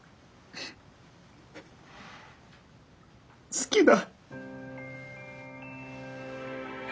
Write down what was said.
好きだ。